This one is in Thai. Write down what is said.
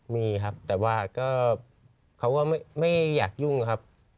มีครับแต่ว่าก็เขาก็ไม่อยากยุ่งครับ